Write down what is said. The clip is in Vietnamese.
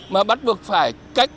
mà bắt buộc phải cách